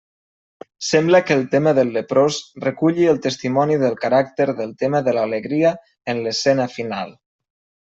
Sembla que el tema del leprós reculli el testimoni del caràcter del tema de l'alegria en l'escena final.